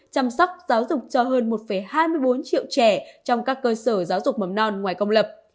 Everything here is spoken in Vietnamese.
chăm sóc giáo dục cho hơn một hai mươi bốn triệu trẻ trong các cơ sở giáo dục mầm non ngoài công lập